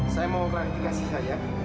saya mau klarifikasi saja